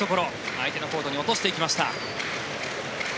相手のコートに落としていきました。